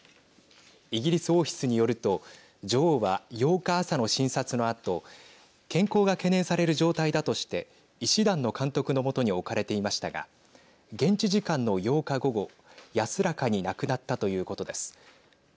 イギリス王室によると女王は、８日朝の診察のあと健康が懸念される状態だとして医師団の監督の下に置かれていましたが現地時間の８日午後安らかに亡くなったということです。